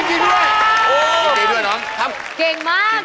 ก็เก่งด้วยเนอะครับเก่งมาก